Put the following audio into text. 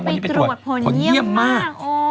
วันนี้ไปตรวจผลเยี่ยมมาก